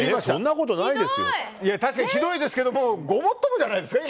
確かにひどいですけどごもっともじゃないですか？